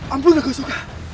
ampuni raka soekar